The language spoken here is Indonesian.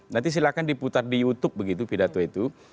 nanti silahkan diputar di youtube begitu pidato itu